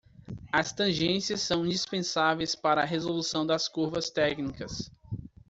As tangências são indispensáveis para a resolução das curvas técnicas.